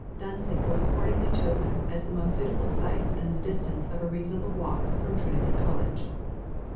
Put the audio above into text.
Dunsink was accordingly chosen as the most suitable site within the distance of a reasonable walk from Trinity College.